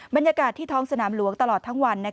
บรรยากาศที่ท้องสนามหลวงตลอดทั้งวัน